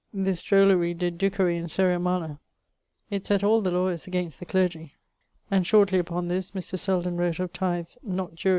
This drollery did ducere in seria mala: it sett all the lawyers against the clergie, and shortly upon this Mr. Selden wrote of Tythes not jure divino.